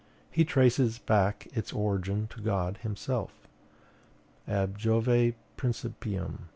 He traces back its origin to God himself ab Jove principium.